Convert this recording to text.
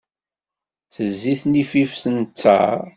Tezzi tnifift n ttaṛ.